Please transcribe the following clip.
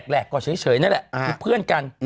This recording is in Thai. แรกก็เฉยนั่นแหละคือเพื่อนกัน